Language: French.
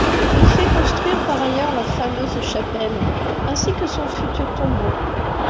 Il fait construire par ailleurs la fameuse chapelle, ainsi que son futur tombeau.